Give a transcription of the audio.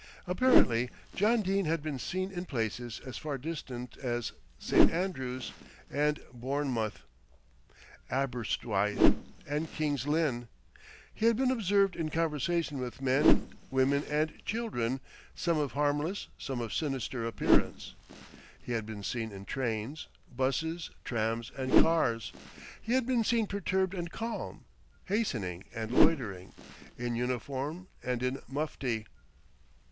Apparently John Dene had been seen in places as far distant as St. Andrews and Bournemouth, Aberystwyth and King's Lynn. He had been observed in conversation with men, women and children, some of harmless, some of sinister appearance. He had been seen in trains, 'buses, trams and cars. He had been seen perturbed and calm, hastening and loitering, in uniform and in mufti.